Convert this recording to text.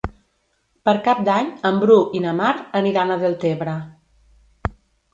Per Cap d'Any en Bru i na Mar aniran a Deltebre.